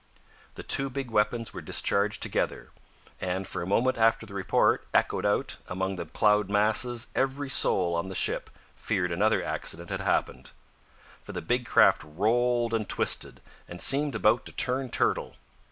The two big weapons were discharged together, and for a moment after the report echoed out among the cloud masses every soul on the ship feared another accident had happened. For the big craft rolled and twisted, and seemed about to turn turtle.